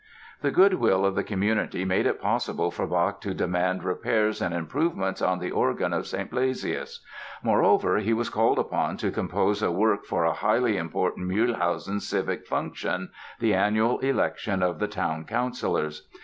The good will of the community made it possible for Bach to demand repairs and improvements on the organ of St. Blasius. Moreover, he was called upon to compose a work for a highly important Mühlhausen civic function, the annual election of the town councilors.